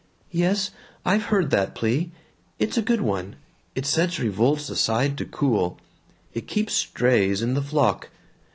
"Yes. I've heard that plea. It's a good one. It sets revolts aside to cool. It keeps strays in the flock.